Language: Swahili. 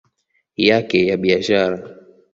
yake ya biashara